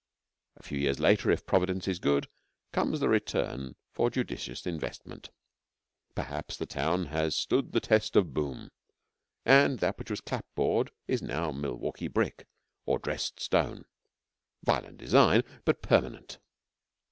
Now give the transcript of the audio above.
A few years later, if Providence is good, comes the return for judicious investment. Perhaps the town has stood the test of boom, and that which was clapboard is now Milwaukee brick or dressed stone, vile in design but permanent.